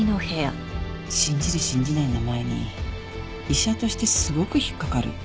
信じる信じないの前に医者としてすごく引っかかる。